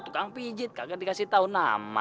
tukang pijit kagak dikasih tahu nama